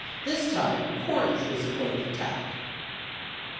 This time Corinth was the point of attack.